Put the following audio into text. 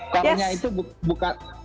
core nya itu bukan